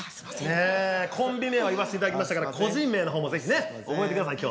コンビ名は言わしていただきましたから個人名の方も是非ね覚えてください